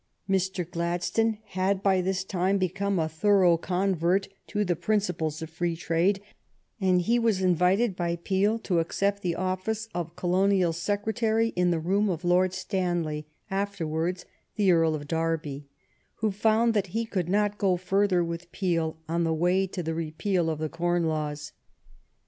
Mr. Gladstone had by this time become a thor ough convert to the principles of free trade, and he was invited by Peel to accept the office of Colonial Secre tary in the room of Lord Stanley, afterwards the Earl of Derby, who found that he could not go further with Peel on the way to a repeal of the Corn Laws.